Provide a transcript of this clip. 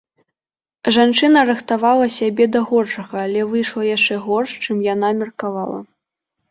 Жанчына рыхтавала сябе да горшага, але выйшла яшчэ горш, чым яна меркавала.